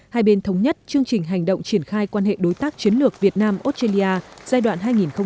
hai bên thống nhất chương trình hành động triển khai quan hệ đối tác chiến lược việt nam australia giai đoạn hai nghìn một mươi chín hai nghìn hai mươi